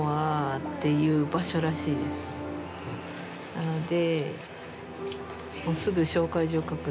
なので。